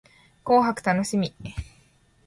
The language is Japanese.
紅白楽しみ